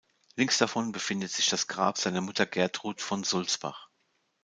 Links davon befindet sich das Grab seiner Mutter Gertrud von Sulzbach.